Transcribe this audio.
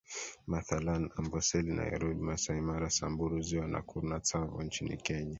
mathalani Amboseli Nairobi Masai Mara Samburu Ziwa Nakuru na Tsavo nchini Kenya